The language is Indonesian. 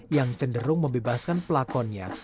yang cenderung membebaskan pelakonnya